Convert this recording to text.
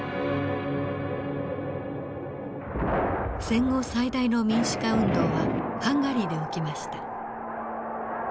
戦後最大の民主化運動はハンガリーで起きました。